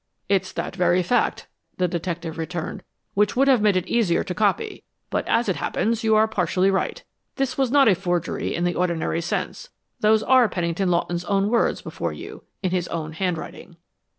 "It's that very fact," the detective returned, "which would have made it easier to copy; but, as it happens, you are partially right. This was not a forgery in the ordinary sense. Those are Pennington Lawton's own words before you, in his own handwriting."